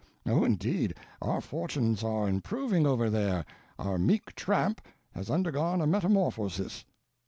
Oh indeed, our fortunes are improving over there—our meek tramp has undergone a metamorphosis."